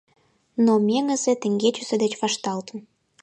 Но Меҥыза теҥгечысе деч вашталтын.